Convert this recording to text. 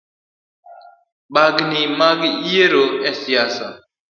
Bagni mag yiero esiasa